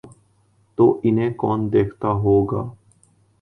تو انہیں کون دیکھتا ہو گا؟